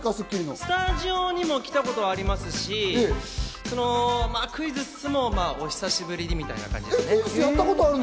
スタジオにも来たことありますし、まぁ、クイズッスもお久しぶりみたいな感じ。